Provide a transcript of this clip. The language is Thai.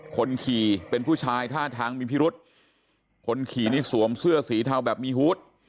คนขี่เป็นผู้ชายท่าทางมีพิรุษคนขี่นี่สวมเสื้อสีเทาแบบมีฮูต